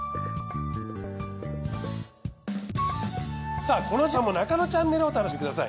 さぁこの時間も『ナカノチャンネル』をお楽しみください。